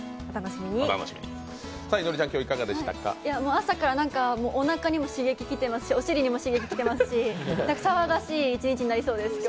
朝から何かおなかにも刺激来ていますしお尻にも刺激来てますし騒がしい一日になりそうです、今日。